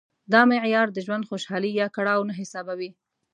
دا معیار د ژوند خوشالي یا کړاو نه حسابوي.